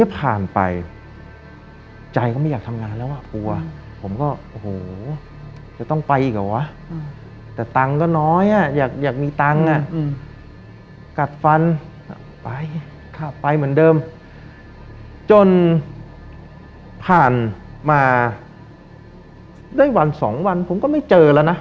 ผ่านมาได้วัน๒วันผมก็ไม่เจอแล้วนะ